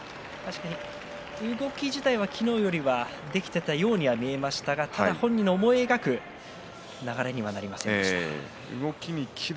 動き自体は昨日よりはできていたようには見えましたが本人の思い描く流れにはなりませんでした。